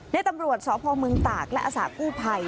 ในตำรวจสพเมืองตากและอาสากู้ภัย